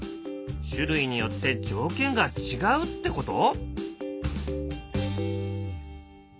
種類によって条件が違うってこと？